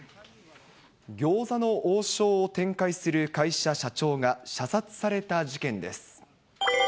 餃子の王将を展開する会社社長が射殺された事件です。